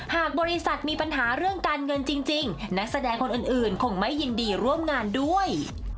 หากบริษัทมีปัญหาเรื่องการเงินจริงนักแสดงคนอื่นคงไม่ยินดีร่วมงานด้วย